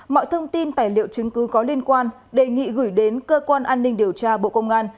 mọi thông tin tài liệu chứng cứ có liên quan đề nghị gửi đến cơ quan an ninh điều tra bộ công an